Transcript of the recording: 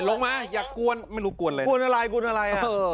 ลงมาอยากกวนไม่รู้กวนอะไรบอกว่าหายกวนอะไรอะอ่อ